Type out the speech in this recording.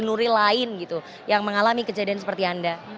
mbak nuril lain yang mengalami kejadian seperti anda